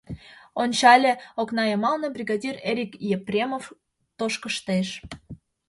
Ончале — окна йымалне бригадир Эрик Епремов тошкыштеш.